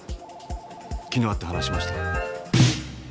昨日会って話しました。